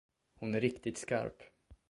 Hon är riktigt skarp.